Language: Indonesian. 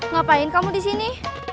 ngapain kamu di sini